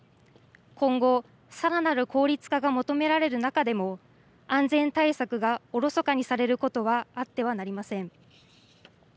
今後、さらなる効率化が求められる中でも、安全対策がおろそかにされることはあってはなりません。